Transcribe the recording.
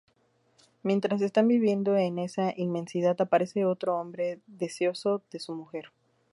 Mientras están viviendo en esa inmensidad aparece otro hombre deseoso de su mujer.